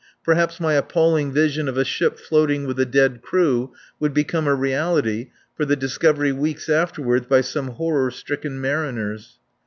Perhaps my appalling vision of a ship floating with a dead crew would become a reality for the discovery weeks afterward by some horror stricken mariners.